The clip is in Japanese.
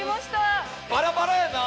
バラバラやな！